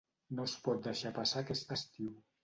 No es pot deixar passar aquest estiu.